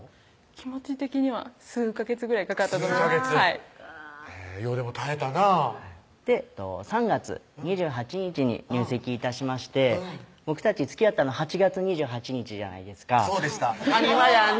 気持ち的には数ヵ月ぐらいかかったと思いますよう耐えたなぁ３月２８日に入籍致しまして僕たちつきあったの８月２８日じゃないですかそうでした「ハニワやね」